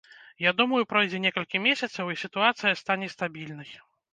Я думаю, пройдзе некалькі месяцаў і сітуацыя стане стабільнай.